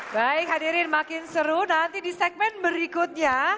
baik hadirin makin seru nanti di segmen berikutnya